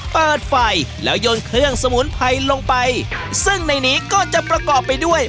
เปิดไฟแล้วยนต์เครื่องสมุนไพรลงไปซึ่งในนี้ก็จะประกอบไปด้วย